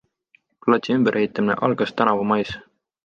Platsi ümberehitamine algas tänavu mais.